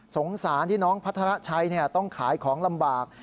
สงสารที่น้องพัทรชัยต้องขายของลำบาก